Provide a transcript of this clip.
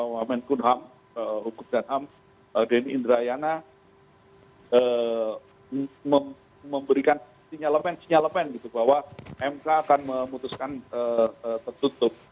wamen kunham hukum danham deni indrayana memberikan sinyalemen sinyalemen gitu bahwa mk akan memutuskan tertutup